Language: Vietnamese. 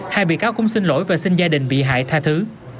hai bị cáo cũng xin lỗi và xin gia đình bị hại tha thứ